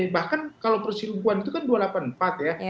bahkan kalau perselingkuhan itu kan dua ratus delapan puluh empat ya